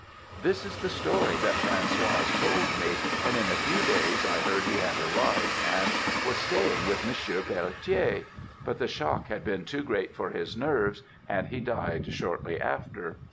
"This was the story Françoise told me, and in a few days I heard he had arrived and was staying with Mons. Pelletier; but the shock had been too great for his nerves, and he died shortly after.